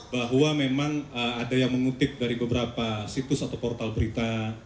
bahwa memang ada yang mengutip dari beberapa situs atau portal berita